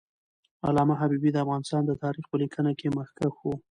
علامه حبیبي د افغانستان د تاریخ په لیکنه کې مخکښ و.